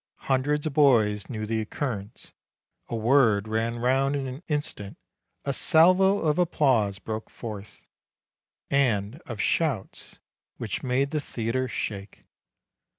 Hundreds of boys knew the occurrence; a word ran round in an instant; a salvo of applause broke forth, and of shouts, which made the theatre shake.